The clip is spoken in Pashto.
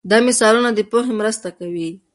دا مثالونه د پوهې مرسته کوي.